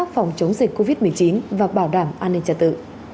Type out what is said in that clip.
phòng chống dịch covid một mươi chín và bảo đảm an ninh trật tự